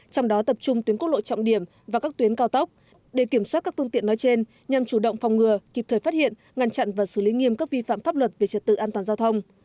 trong đó tập trung tuyến quốc lộ trọng điểm và các tuyến cao tốc để kiểm soát các phương tiện nói trên nhằm chủ động phòng ngừa kịp thời phát hiện ngăn chặn và xử lý nghiêm các vi phạm pháp luật về trật tự an toàn giao thông